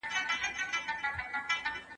مخا مخ ورته چا نه سو ورکتلای